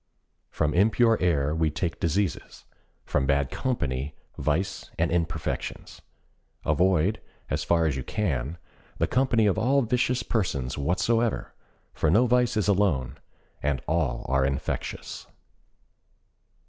From impure air we take diseases; from bad company, vice and imperfections. Avoid, as far as you can, the company of all vicious persons whatsoever, for no vice is alone, and all are infectious.